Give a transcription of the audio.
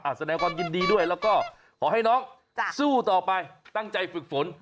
แสดงความยินดีด้วยแล้วก็ขอให้น้องสู้ต่อไปตั้งใจฝึกฝน